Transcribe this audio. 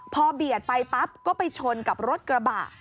พอเบียดไปปั๊บก็ไปชนกับรถกระบะ